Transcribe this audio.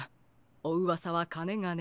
おうわさはかねがね。